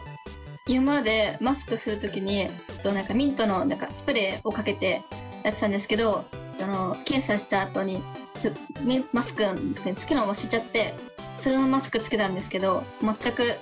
今までマスクする時に何かミントのスプレーをかけてやってたんですけど検査したあとにちょっとマスクの中につけるの忘れちゃってそのままマスクつけたんですけど全く気にならなかったです。